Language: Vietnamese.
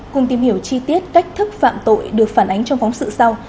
cùng tìm hiểu chi tiết cách thức phạm tội được phản ánh trong phóng sự sau